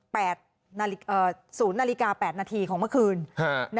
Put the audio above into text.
ศูนย์นาฬิกาแปดนาทีของเมื่อคืนฮะ